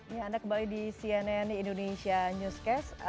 ya anda kembali di cnn indonesia newscast